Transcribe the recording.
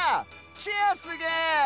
チェアすげえ！